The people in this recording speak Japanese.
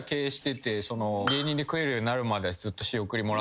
芸人で食えるようになるまではずっと。